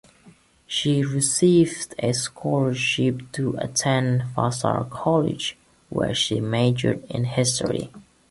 She received a scholarship to attend Vassar College, where she majored in history.